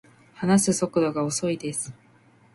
話す速度が遅いです